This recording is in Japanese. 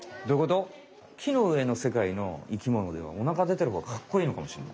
木の上のせかいの生きものではお腹でてるほうがかっこいいのかもしれない。